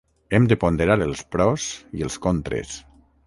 Hem de ponderar els pros i els contres.